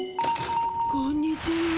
こんにちは。